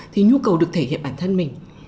thì nhu cầu được thể hiện bản thân mình